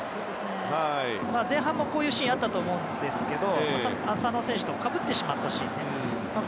前半もこういうシーンがあったと思うんですけど浅野選手とかぶってしまったシーンですね。